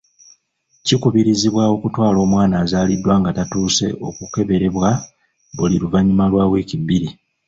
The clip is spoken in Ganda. Kikubirizibwa okutwala omwana azaaliddwa nga tatuuse okukeberebwa buli luvannyuma lwa wiiki bbiri.